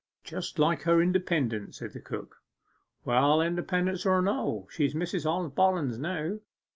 'Just like her independence,' said the cook. 'Well, independent or no, she's Mrs. Bollens now.